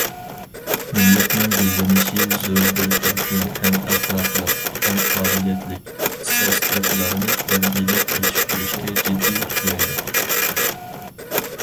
مىللەتنىڭ گۈللىنىشى زور بىر تۈركۈم ھەم ئەخلاقلىق، ھەم قابىلىيەتلىك ئىختىساسلىقلارنى تەربىيەلەپ يېتىشتۈرۈشكە جىددىي ئېھتىياجلىق.